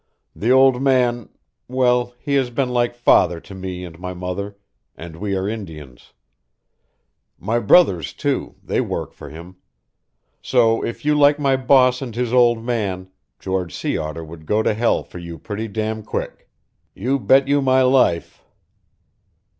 The old man well, he has been like father to me and my mother and we are Indians. My brothers, too they work for him. So if you like my boss and his old man, George Sea Otter would go to hell for you pretty damn' quick. You bet you my life!"